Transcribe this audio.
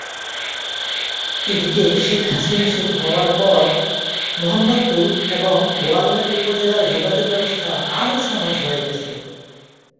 এদিকে শেখ হাসিনা সেতু হওয়ার পর মহম্মদপুর এবং বোয়ালমারী উপজেলার যোগাযোগ ব্যবস্থা আরও সহজ হয়ে গেছে।